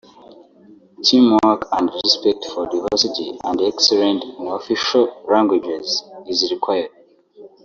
team work and respect for diversity and Excellent in official languages is required